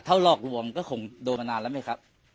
ถ้าหลอกลวงก็คงโดนมานานแล้วไหมครับ